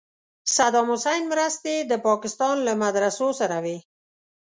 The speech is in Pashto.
صدام حسین مرستې د پاکستان له مدرسو سره وې.